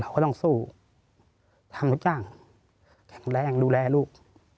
เขาก็ต้องสู้ทำทุกอย่างแข็งแรงดูแลลูก